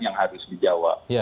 yang harus dijawab